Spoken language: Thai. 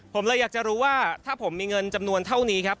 ผมเลยอยากจะรู้ว่าถ้าผมมีเงินจำนวนเท่านี้ครับ